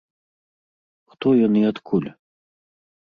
Хто ён і адкуль?